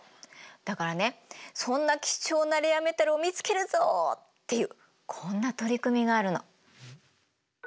だからねそんな貴重なレアメタルを見つけるぞっていうこんな取り組みがあるの。